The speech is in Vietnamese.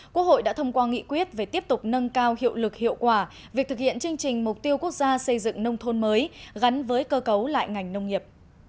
quốc hội đã thông qua nghị quyết về tiếp tục nâng cao hiệu lực hiệu quả việc thực hiện chương trình mục tiêu quốc gia xây dựng nông thôn mới gắn với cơ cấu lại ngành nông nghiệp